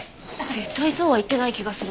絶対そうは言ってない気がする。